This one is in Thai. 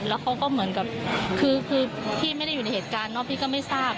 แล้วเขาก็เหมือนกับคือพี่ไม่ได้อยู่ในเหตุการณ์เนาะพี่ก็ไม่ทราบ